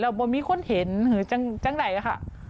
แล้วบนนี้มีคนเห็นหรือทั้งไหนก็ค่ะ